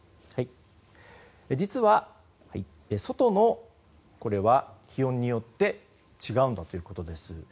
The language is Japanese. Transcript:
実は、外の気温によって違うんだということです。